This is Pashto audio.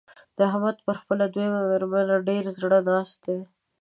د احمد پر خپله دويمه مېرمنه ډېر زړه ناست دی.